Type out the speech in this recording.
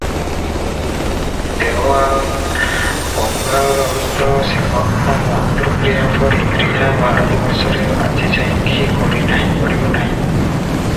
ଦେଓଆନ ଗଙ୍ଗାଗୋବିନ୍ଦ ସିଂହଙ୍କ ମାତୃକ୍ରିୟା ପରି କ୍ରିୟା ଭାରତବର୍ଷରେ ଆଜିଯାଏ କେହି କରିନାହିଁ, କରିବ ନାହିଁ ।